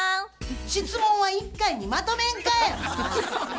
質問は一回にまとめんかい！